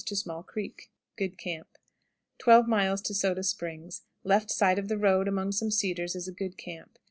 Small Creek. Good camp. 12. Soda Springs. Left side of the road, among some cedars, is a good camp.